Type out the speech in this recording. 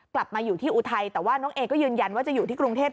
กลับมาอยู่ที่อุทัยแต่ว่าน้องเอก็ยืนยันว่าจะอยู่ที่กรุงเทพ